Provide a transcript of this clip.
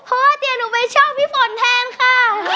เพราะว่าเดี๋ยวหนูไปชอบพี่ฝนแทนค่ะ